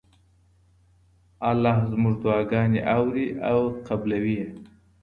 الله زموږ دعاګانې اوري او قبلوي یې.